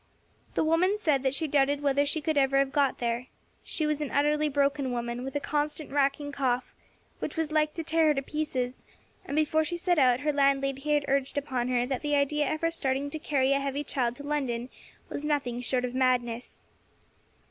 The woman said that she doubted whether she could ever have got there. She was an utterly broken woman, with a constant racking cough, which was like to tear her to pieces, and before she set out her landlady had urged upon her that the idea of her starting to carry a heavy child to London was nothing short of madness.